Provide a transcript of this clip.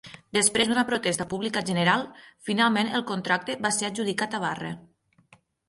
Després d'una protesta publica general, finalment el contracte va ser adjudicat a Barre.